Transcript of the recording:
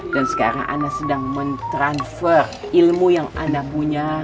dan sekarang anak sedang mentransfer ilmu yang anak punya